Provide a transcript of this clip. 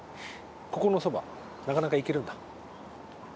ここのそばなかなかいけるんだ。